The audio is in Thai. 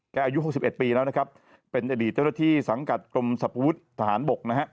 แก่อายุ๖๑ปีแล้วเป็นอดีตเจ้าหน้าที่สังกัดกรมสัมพวุทธ์ทหารบก